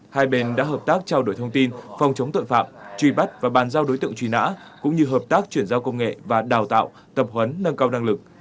hai bên đã hợp tác trao đổi thông tin phòng chống tội phạm truy bắt và bàn giao đối tượng truy nã cũng như hợp tác chuyển giao công nghệ và đào tạo tập huấn nâng cao năng lực